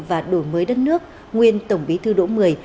và đổi mới đất nước nguyên tổng bí thư đỗ mười